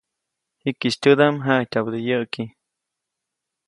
Jikisy tyädaʼm jaʼityabäde yäʼki.